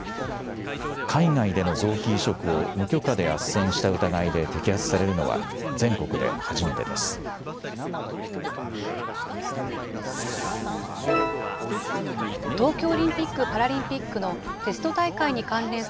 海外での臓器移植を無許可であっせんした疑いで、摘発されるのは、全国で初めてです。